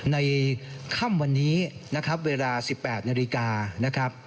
ในค่ำวันนี้เวลา๑๘นาฬิกา